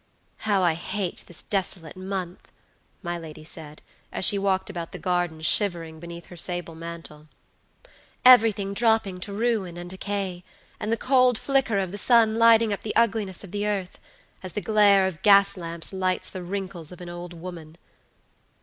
"How I hate this desolate month!" my lady said, as she walked about the garden, shivering beneath her sable mantle. "Every thing dropping to ruin and decay, and the cold flicker of the sun lighting up the ugliness of the earth, as the glare of gas lamps lights the wrinkles of an old woman.